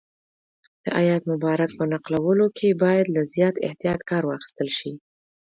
د آیت مبارک په نقلولو کې باید له زیات احتیاط کار واخیستل شي.